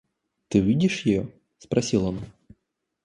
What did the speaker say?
Ты видишь ее? — спросил он.